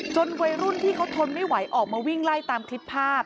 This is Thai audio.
วัยรุ่นที่เขาทนไม่ไหวออกมาวิ่งไล่ตามคลิปภาพ